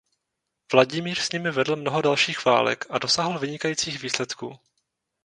Vladimír s nimi vedl mnoho dalších válek a dosáhl vynikajících výsledků.